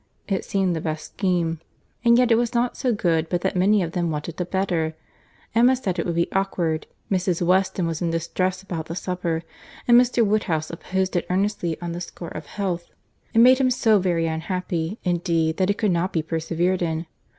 It seemed the best scheme; and yet it was not so good but that many of them wanted a better. Emma said it would be awkward; Mrs. Weston was in distress about the supper; and Mr. Woodhouse opposed it earnestly, on the score of health. It made him so very unhappy, indeed, that it could not be persevered in.